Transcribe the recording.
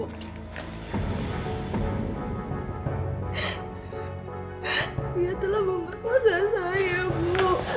ia telah memperkosa saya bu